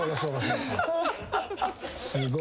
すごいね。